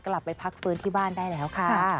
กลับไปพักฟื้นที่บ้านได้แล้วค่ะ